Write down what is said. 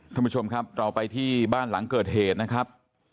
ท่านผู้ชมครับเราไปที่บ้านหลังเกิดเหตุนะครับ